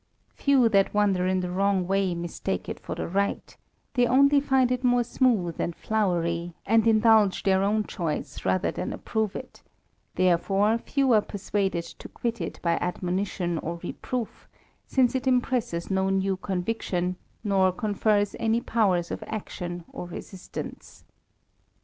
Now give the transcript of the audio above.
Few that wander in the ¥nrong 3 way mistake it for the right ; they only find it more smooth ^ and flowery, and indulge their own choice rather than > approve it: therefore few are persuaded to quit it by ^" admonition or reproof, since it impresses no new conviction, nor confers any powers of action or resistance.